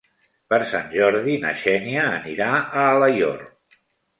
Per Sant Jordi na Xènia anirà a Alaior.